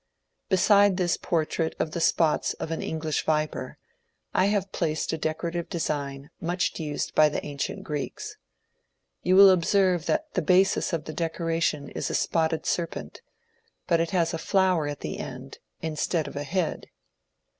Beside this portrait of the spots of an English viper I have placed a decorative design much used by the ancient Greeks. You will observe that the basis of the decoration is a spotted serpent, but it has a flower at the end instead of a head.